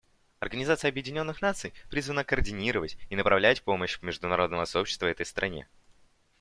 Организация Объединенных Наций призвана координировать и направлять помощь международного сообщества этой стране.